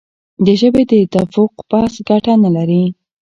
د ژبې د تفوق بحث ګټه نه لري.